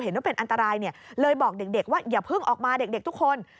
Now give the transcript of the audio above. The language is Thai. เห็นว่าเป็นอันตรายเนี่ยเลยบอกเด็กว่าอย่าเพิ่งออกมาเด็กทุกคน